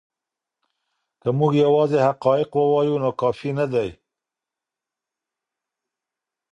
که موږ یوازې حقایق ووایو نو کافی نه دی.